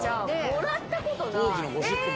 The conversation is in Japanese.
もらったことない。